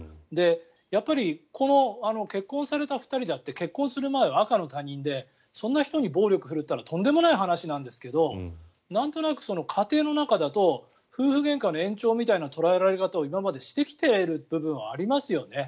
やっぱり、結婚された２人だって結婚する前は赤の他人でそんな人に暴力を振るったらとんでもない話なんですがなんとなく家庭の中だと夫婦げんかの延長みたいな捉えられ方を今までしてきている部分はありますよね。